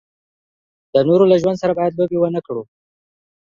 د نورو له ژوند سره باید لوبې و نه کړو.